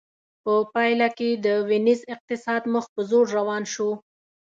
په پایله کې د وینز اقتصاد مخ په ځوړ روان شو